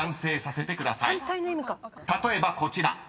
［例えばこちら。